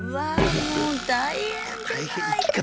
もう大変じゃないか。